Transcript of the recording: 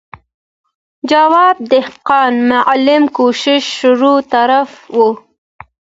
جواب، دهقان، معلم، کوشش، شروع، طرف او ...